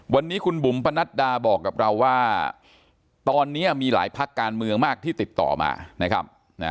วันนี้คุณบุ๋มปนัดดาบอกกับเราว่าตอนนี้มีหลายพักการเมืองมากที่ติดต่อมานะครับ